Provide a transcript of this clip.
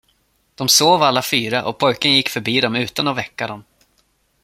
De sov alla fyra och pojken gick förbi dem utan att väcka dem.